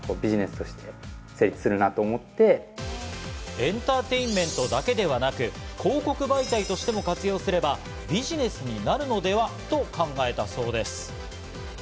エンターテインメントだけではなく、広告媒体としても活用すれば、ビジネスになるのではと考えたそうです。